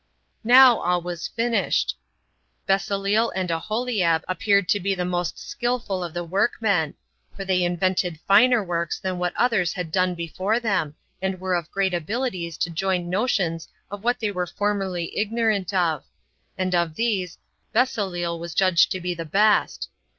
4. Now all was finished. Besaleel and Aholiab appeared to be the most skillful of the workmen; for they invented finer works than what others had done before them, and were of great abilities to gain notions of what they were formerly ignorant of; and of these, Besaleel was judged to be the best.